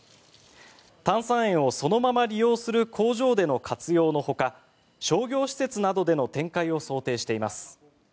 炭酸塩をそのまま利用する工場での活用のほか商業施設などでの展開を想定しています。